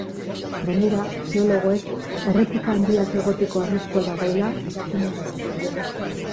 Gainera, geologoek erreplika handiak egoteko arriskua dagoela jakinarazi dute.